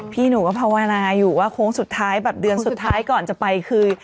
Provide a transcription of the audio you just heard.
พี่หนูก็ภาวนาอยู่ว่าโค้งสุดท้ายแบบเดือนสุดท้ายก่อนจะไปคือ